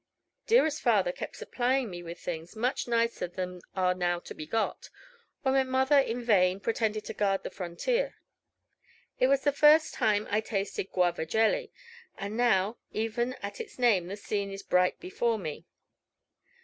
Dearest father kept supplying me with things much nicer than are now to be got, while my mother in vain pretended to guard the frontier. It was the first time I tasted Guava jelly; and now, even at the name, that scene is bright before me.